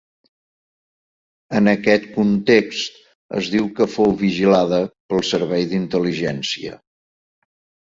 En aquest context, es diu que fou vigilada pel servei d'intel·ligència.